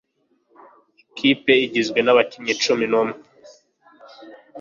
Ikipe igizwe nabakinnyi cumi n'umwe.